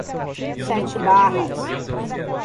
Sete Barras